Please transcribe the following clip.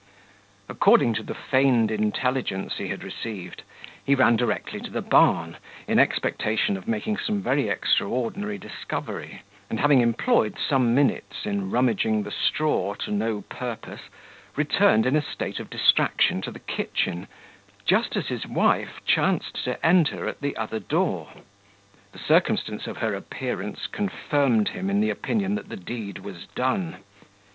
According to the feigned intelligence he had received, he ran directly to the barn, in expectation of making some very extraordinary discovery; and having employed some minutes in rummaging the straw to no purpose, returned in a state of distraction to the kitchen, just as his wife chanced to enter at the other door. The circumstance of her appearance confirmed him in the opinion that the deed was done.